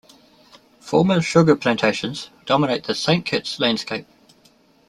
Former sugar plantations dominate the Saint Kitts landscape.